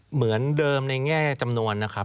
เหมือนเดิมในแง่จำนวนนะครับ